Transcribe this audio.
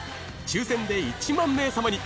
抽選で１万名様に！